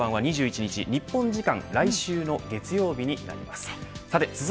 次回の登板は２１日日本時間来週の月曜日になります。